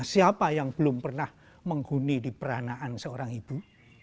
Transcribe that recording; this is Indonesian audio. siapa yang belum pernah menghuni di peranaan seorang ibu